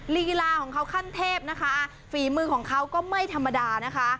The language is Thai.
ลีลาของเขาขั้นเทพนะคะฝีมือของเขาก็ไม่ธรรมดานะคะ